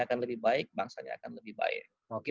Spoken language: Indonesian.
akan lebih baik bangsanya akan lebih baik